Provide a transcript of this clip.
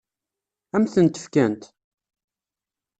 Ad m-tent-fkent?